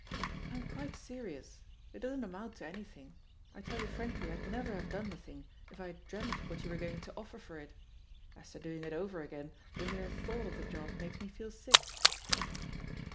"I'm quite serious. It doesn't amount to any thing; I tell you frankly I'd never have done the thing if I had dreamed what you were going to offer for it. As to doing it over again, the mere thought of the job makes me feel sick."